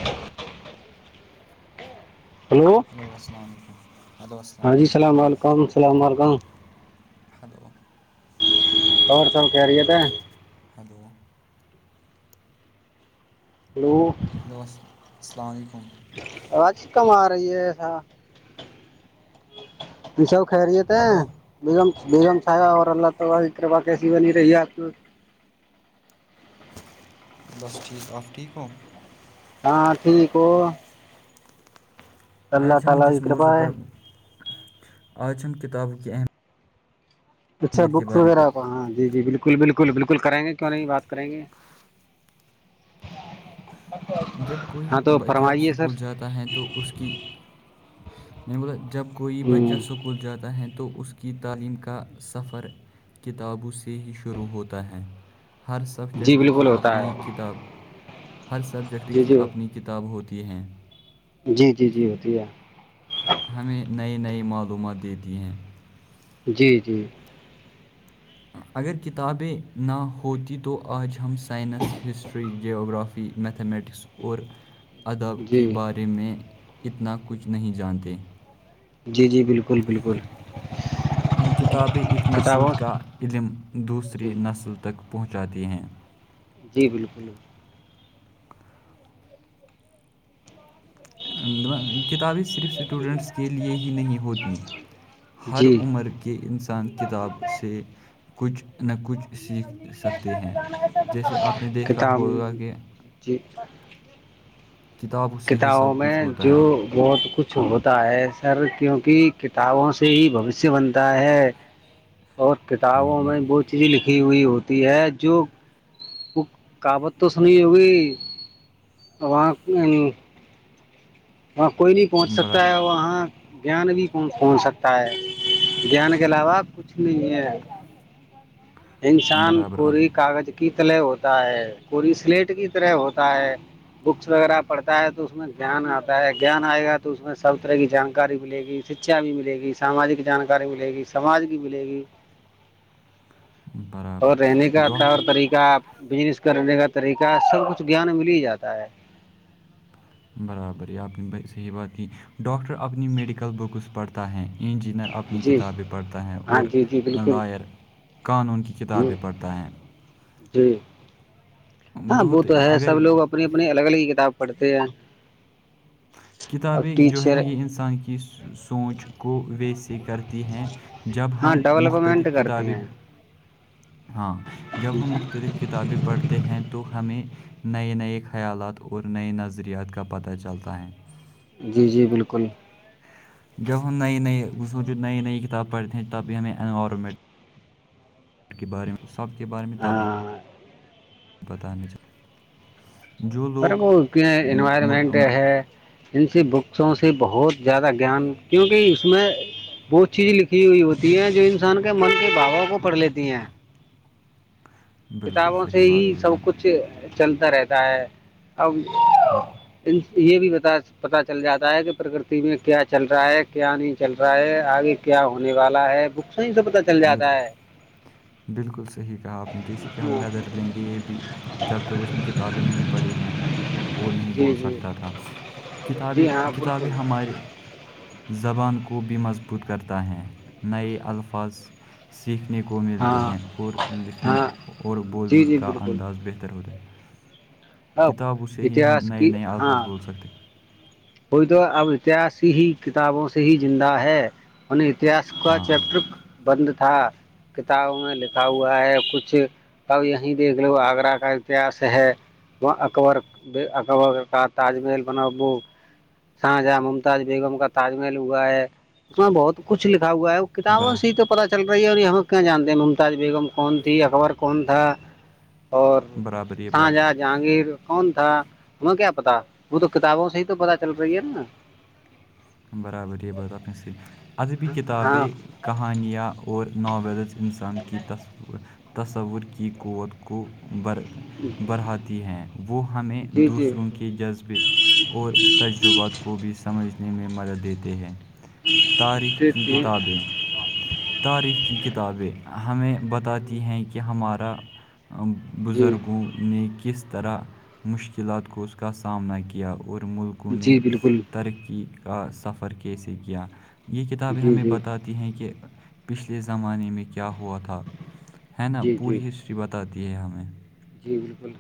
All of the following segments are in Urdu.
[unintelligible] ہلو السلام علیکم ہلو السلام علیکم م السلام علکم ہلو اور سب کہہ رہیے تھے ہلو ہلو ہلو الس السلام علیکم آج کم آ رہی ہے ایسا اشو خیریت ہے ہلو بیگم بیگم سااہب اورورلہ ت کرر باقہ شیونی ر یہ آ بس ٹھیک آپ ٹھیک ہو ہاںٹین کو آج ہم تعالی کی جس کرپا موضوع ہے پر آج ہم کتابوں کی اہم اچھا بکس وغیرہ کا ہاں جی جی بالکل بالکل بالکل کریں گے کیوں نہیں بات کریں گے [unintelligible] جب کوئی ہاں تو بچہ فرمائیے اسکول سر جاتا ہے تو اس کی میں نے بولا جب کوئی بچہ ہوں اسکول جاتا ہے تو اس کی تعلیم کا سفر کتابوں سے ہی شروع ہوتا ہے ہر جی سبجیکٹ بالکل کی ہوتا اپنی ہے کتاب ہر سبجیکٹ جی کی جی اپنی کتاب ہوتی ہیں جی جی جی ہوتی ہے ہمیں نئے نئی معلومات دیتی ہیں جی جی اگر کتابیں نہ ہوتی تو آج ہم science history geography mathematics اور ادب جی کے بارے میں اتنا کچھ نہیں جانتے جی جی بالکل بالکل کتابیں ایک نسل کتابوں کا علم جی دوسری نسل تک پہنچاتی ہیں جی بالکل کتابیں صرف اسٹوڈنٹس کے لئے ہی نہیں ہوتیں ہر جی عمر کے انسان کتاب سے کچھ نہ کچھ سیکھ سکتے ہیں جیسے آپ نے دیکھا کتاب ہوگا کہ جی کتابوں سے ہی کتابوں سب میں کچھ ہوتا جو ہے بہت کچھ ہوتا ہے سر کیونکہ کتابوں سے ہی بھوشیہ بنتا ہے [unintelligible] اور ہاں کتابوں بر میں وہ چیزیں لکھی ہوئی ہوتی ہے جو وہ کہعوت تو سنی ہوگی وہاں وہاں کوئی نہیں پہنچ برا سکتا ہے وہاں جان بھی کون کھن سکتا ہے جیان کے علاوہ کچھ نہیں ہے [unintelligible] انسان برابر آپ کووری نے کاغذ کی تلے ہو ہے کوری سلیٹ کی طرح ہوتا ہے بکس وغیرہ پڑھتا ہے تو اس میں دھیان آتا جان آئے گا تو اس میں سب طرح کی جانکاری ملے گی شکچھا بھی ملے گی ساماجک جانکاری ملے گی س سماج کی ملے گی برابر اور رہنے کا طور ڈاکٹر طریقہ بزنس کرنے کا طریقہ سب کچھ گان میں مل ہی جاتا ہے برابر یہ آپ نے صحیح بات کی ڈاکٹر اپنی میڈیکل بکس پڑھتا ہے انجینئر اپنی جی کتابیں پڑھتا ہے ہاں اور جی جی بالکل لائر قانون کی ہ کتابیں پڑھتا ہے جی ہاں وہ بہت تو ہے اگر سب لوگ اپنی اپنی الگ الگ ہی کتاب پڑھتے ہیں اور کتابیں جو ہیں نا ٹیچر یہ انسان کی سوچ کو ویس کرتی ہیں جب ہاں ہم ڈیولپمنٹ مختلف کرتے کتابیں ہیں ہاں جب ہم مختلف کتابیں پڑھتے ہیں تو ہمیں نئے نئے خیالات اور نئے نظریات کا پتہ چلتا ہے جی جی بالکل جب ہم نئی نئی سوچو نئی نئی کتاب پڑھتے ہیں تب بھی ہمیں انوائرمنٹ کے بارے میں سب کے بارے میں تبی ہاں پت ہے جو پر لوگ وہ کی م- انوائرمنٹ م- ہے ان سے بکسوں سے بہت زیادہ گیان کیونکہ اس میں بہت چیزیں لکھی ہوئی ہوتی ہیں جو انسان کے من کے بھاوؤ کو پڑھ لیتی ہیں بالکل کتابوں سے صحیح بات ہی سب بولی آپ نے، کچھ چلتا رہتا ہے اب بالکل یہ بھی پ پتا چل جاتا ہے کہ پرکرتی میں کیا چل رہا ہے کیا نہیں چل رہا ہے آگے کیا ہونے والا ہے بکس ہی سب پتا بالکل بالکل صحیح کہا آپ نے جیسے کہ ہم ہاں ویدر لیں گے یہ بھی جب تک اس نے کتابیں نہیں پڑھی ہیں وہ نہیں جی بول جی سکتا تھا جی کتابیں ہاں کتابیں بالکل ہمارے زبان کو بھی مضبوط کرتا ہے نئے الفاظ سیکھنے کو ملتے ہاں ہیں اور لکھنے ہاں اور جی بولنے جی کا بالکل انداز بہتر ہوتا ہے اب کتابوں سے ہی ہم اتہاس نئے کی نئے الفظ ہاں بول سکتے کوئی تو اب اتحسی ہی کتابوں سے ہی زندہ ہے انیں اتہس کا ہاں چیپٹر بند تھا کتابوں میں لکھا ہوا ہے کچھ اب یہیں دیکھ لو آگرہ کا اتہس ہے وہ اکبر اکبر کا تاج محل بناو شاہاں جہاں ممتاز بیگم کا تاج محل ہوا ہے اس میں بہت کچھ لکھا ہے وہ کتابوں برا سے تو پتا چل رہی ہے اور یہ ہموگ کیا جانتے ہیں ممتاز بیگم کون تھی اکبر کون تھا اور برابر یہ شاہ بات جہ جہانگیر کون تھا ہمیں کیا پتا وہ تو کتابوں سے ہی تو پتا چل رہی ہے نا برابر یہ بات اپنے سے ادبی ہاں کتابیں کہانیاں اور ناولس انسان کی تصور کی قوت کو ب جی بڑھاتی ہیں وہ ہمیں جی دوسروں کے کے جذبے اور تجربات کو بھی سمجھنے میں مدد دیتے ہیں تاریخ کی دیتی ہیں کتابیں تاریخ کی کتابیں ہمیں بتاتی ہیں کہ ہمارا جی بزرگوں نے کس طرح مشکلات کو اس کا سامنا کیا اور ملک نے جی بالکل ترقی کا سفر کیسے کیا یہ کتابیں جی ہمیں جی بتا دی ہیں کہ پچھلے زمانے میں کیا ہوا تھا ہے نا جی جی پوری ہسٹری ای بتاتی ہے ہمیں جی بالکل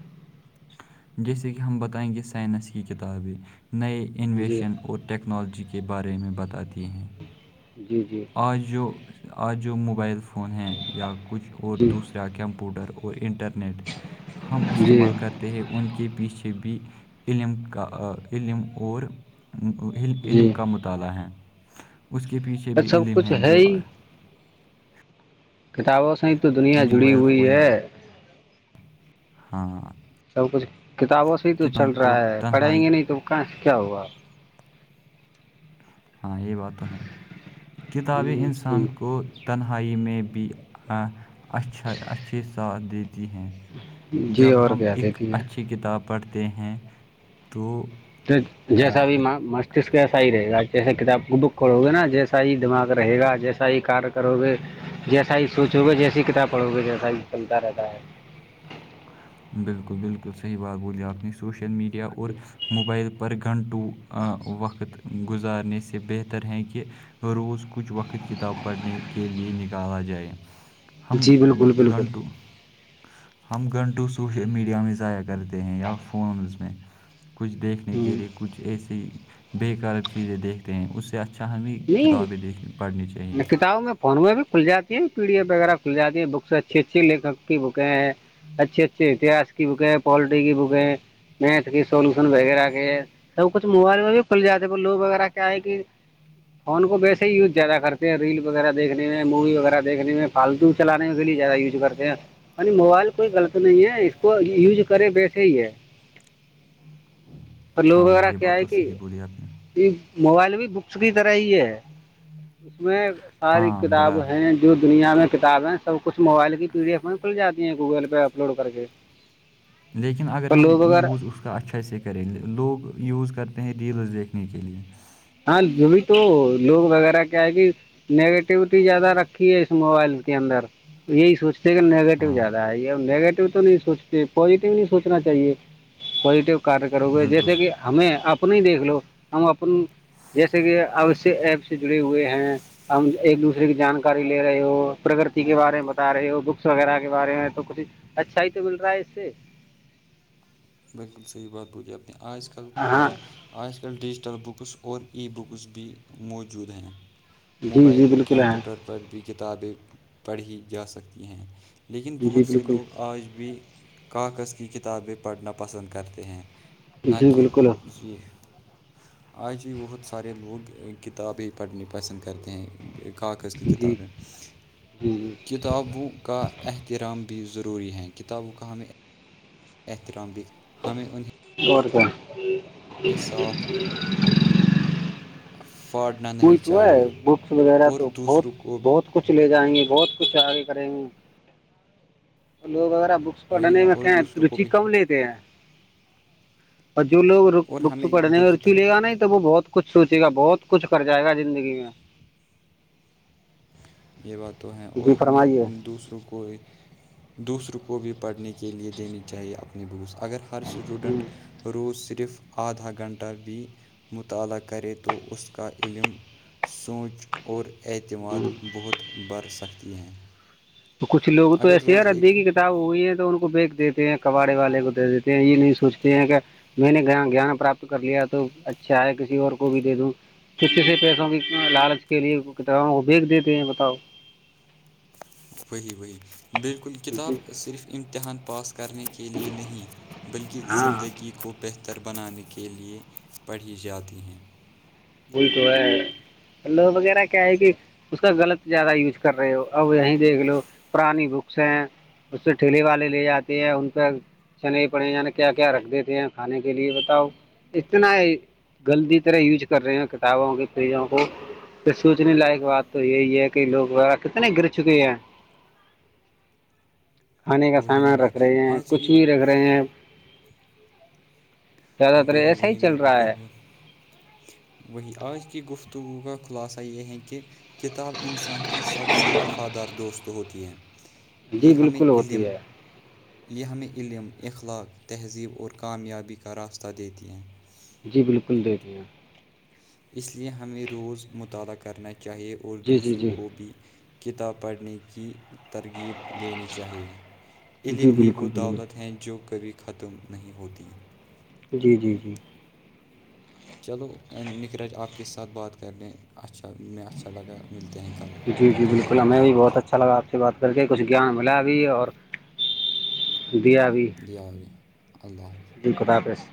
جیسے کہ ہم بتائیں گے سائنس کی کتابیں نئے جی انویشن اور ٹیکنالوجی کے بارے میں بتاتی ہیں جی جی آج جو آج جو موبائل فون ہیں یا کچھ اور جی دوسرا کیمپ وہ ڈر اور انٹرنیٹ ہم جی استعمال کر ہیں ان کے پیچھے بھی علم کا علم اور علم جی کا مطالعہ ہے اس کے پیچھے بھی سب علم کچھ ہے جو ہی کتابوں سے ہی تو دنیا جو جڑی موبائل ہوئی فون ہے ہاں سب کچھ کتابوں سے ہی تو کہ تن چل کو رہا ہے پڑھیں تنہائی گے نہیں تو کہاں سے کیا ہوا ہاں یہ بات تو ہے کتابیں انسان جی کو تنہائی میں بھی اچھا اچھے ساتھ دیتی ہیں جی جب اور ہم کیا اک دیتی ہیں اچھی کتاب پڑھتے ہیں تو آ، جیسا بھی مست [inaudible] کس کا ایسا ہی رہے گا جیسے کتاب بک پڑو گے نا جیسا ہی دماغ رہے گا جیسا ہی کار کرو گے جیسا ہی سوچو گے جیسسی ہی کتاب پڑھو گے جیسا ہی چلتا رہتا ہے بلکل بلکل صحیح بات بولی آپ نے سوشل میڈیا ہاں اور جی موبائل پر گھنٹوں وقت گزارنے سے بہتر ہیں کہ روز کچھ وقت کتاب پڑھنے کے لئے نکالا جائے ہم جی بالکل بالکل گھنٹوں ہم گھنٹوں سوشل میڈیا میں ضائع کرتے ہیں یا فونز میں کچھ دیکھنے کے ہوں لیے کچھ ایسی بے کار چیزیں دیکھتے ہیں اس سے اچھا اچھا ہمیں کتابیں دیکھ پڑھنی چاہییں فارون میں بھی کھلاتی ہیں پی ڈی ای وغیرہھ جاتی ہے بکس اچھی اچھی لھک [inaudible] کہ بکیں ہیں اچھی اچھی اتہاس کی بکیں ہیں پولٹی کی بکیں ہیں میتھ کی سولوشن وغیرہ کے سب کچھ موبائل میں بھی کھل جاتے لوگ وغیرہ کیا ہے کہ فون کو ویسے ہی یوز زیادہ کرتے ہیں ریل وغیرہ دیکھنے میں مووی وغیرہ دیکھنے میں فالتو چلانے کے لیے زیادہ یوز کرتے ہیں یعنی موبائل کوئی غلط نہیں ہے اس کو یوز کرے ویسے ہی ہے پر لوگ ہاں وغیرہ یہ کیا بات ہے تو کہ صحیح بولی آپ نے یہ موبائل بھی بکس کی طرح ہی ہے اس میں ساری ہاں برا کتاب ہیں جو دنیا میں کتابیں سب کچھ موبائل کی پی ڈی ایف میں کھل جاتی ہیں گوگل پہ اپلوڈ کر کے لیکن اگر پر ہم لوگ اگر یوز اس کا اچھا سے کرے لوگ یوز کرتے ہیں ریلز دیکھنے کے لیے ہاں جو بھی تو لوگ وغیرہ کیا ہے کہ نگیٹیوٹی زیادہ رکھی ہے اس موبائل کے اندر یہی سوچ سے نگیٹو ہاں زیادہ ہے یہ نیگیٹیو تو نہیں سوچتے پازیٹو نہیں سوچنا چاہیے پزیٹو کار کرو گے بالکل جیسے کہ ہمیں آپن دیکھ لو ہم اپن جیسے کہ اوش ایپ سے جڑے ہوئے ہیں ہم ایک دوسرے کی جانکاری لے رہے ہو پرگتی کے بارے میں بتا رہے ہو بکس وغیرہ کے بارے میں تو کچھ اچھا ہی تو مل رہا ہے اس سے بلکل صحیح بات بولیے آپ نے آج کل ہاں آج کل ڈیجیٹل بکس اور ای بکس بھی موجود ہیں جی موبائل جی اور بالکل ہے کمپیوٹر پر بھی کتابیں پڑھی جا سکتی ہیں لیکن جی بہت سے بالکل لوگ آج بھی کاغذ کی کتابیں پڑھنا پسند کرتے ہیں نہ جی کہ بالکل یہ آج ہھی بہت سارے لوگ کتابیں پڑھنی پسند کرتے ہیں کاغذ کی جی جی کتابیں جی کتابوں کا احترام بھی ضروری ہے کتابوں کا ہمیں احترام بھیک اور کیا صاف پھاڑنا کوئی نہیں تو چاہیے ہے بکس وغیرہ اور تو بہت دوسروں کو بھی بہت کچھ لے جائیں گے بہت کچھ آگے کریں گے لوگ ایرا بکس وہی پڑھنے نہ میں اور کہ دوسروں کو رچی بھی کم لیتے ہیں اور جو لو اور بکس ہمیں پڑھنے جو کا کتاب رچو لے گا ن تو وہ بہت کچھ سوچے گا بہت کچھ کر جائے گا زندگی میں یہ بات تو ہیں اور جی ہمیں فرمائیے دوسروں کو دوسروں کو بھی پڑھنے کے لئے دینی چاہیے اپنی بکس اگر ہر اسٹوڈنٹ روز صرف آدھا گھنٹہ بھی مطالعہ کرے تو اس کا علم سوچ اور اعتماد بہت برھ سکتی ہیں تو کچھ لوگ تو اگر ایسے ہی روز رہتے ایک ہیں کہ ہوئی ہے تو ان کو بییک دیتے ہیں کباڑے والے کو دے دیتے ہیں یہ نہیں سوچتے ہیں کہ میں نے گان پراپت کر لیا تو اچھا ہے کسی اور کو بھی دے دوں کہ کسی پیسوں کی لالچ کے لیے کتابوں کو بھیج دیتے ہیں بتاؤ وہحیح وہحیح بالکل کل کتاب جی صرف امتحان پاس کرنے کے لیے نہیں بلکہ ہاں زندگی کو بہتر بنانے کے لیے پڑھی جاتی ہیں وہول تو ہے لو وغیرہ کیا ہے کہ اس کا غلط زیادہ یوز کر رہے ہو اب یہیں دیکھ لو پرانی بکس ہیں اس سے ٹھیے والے لے جاتے ہیں ان پ چنے پڑے یع کیا کیا رکھ دیتے ہیں کھانے کے لیے بتاؤ اتنا ہے گلطی طرح یوز کر رہے ہیں کتابوں کے پیزوں کو تو سوچنے لائق بات تو یہی ہے کہ لوگ وارا کتنے گر چکے ہیں کھانے کا وہ نا سامان بھائی رکھ رہے ہیں آج کی کچھ بھی رکھ رہے ہیں زیادہ تر وہی ایسا ہی وہی چل میں بھی رہا وہی ہے بہت وہی آج کی گفتگو کا خلاصہ یہ ہے کہ کتاب انسان کی سب سے وفادار دوست ہوتی ہے یہ جی ہمیں بالکل ہوتی علم ہے یہ ہمیں علم اخلاق تہذیب اور کامیابی کا راستہ دیتی ہیں جی بالکل دیکھیا اس لیے ہمیں روز مطالعہ کرنا چاہیے اور جی جی دوسروں جی کو بھی کتاب پڑھنے کی ترغیب دینی چاہیے جی علم ہی وہ بالکل دولت بالکل ہیں جو کبھی ختم نہیں ہوتی جی جی جی چلو نکھراج آپ کے ساتھ بات کر لیں اچھا میں اچھا لگا ملتے ہیں کل تب تک کے لیے اللہ حافظ ا لگ آپ سے بات کر کے کچھ گیان ملا بھی اور دیا بھی دیا گے اللہ حافظ خدا حافظ